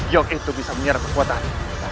yang itu bisa menyertakan kuatan